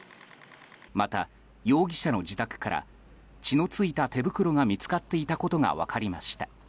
また、容疑者の自宅から血の付いた手袋が見つかっていたことが分かりました。